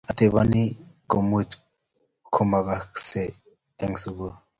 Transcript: Ateboni komuch komongkei eng sukul